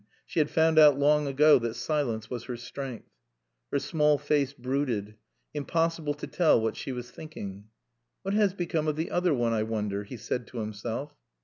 She had found out long ago that silence was her strength. Her small face brooded. Impossible to tell what she was thinking. "What has become of the other one, I wonder?" he said to himself.